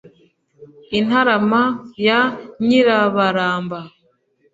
i ntarama ya nyirabaramba,